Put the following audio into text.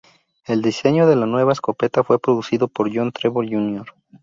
El diseño de la nueva escopeta fue producido por John Trevor Jr.